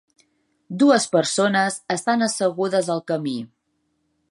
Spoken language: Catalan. Dues persones estan assegudes al camí.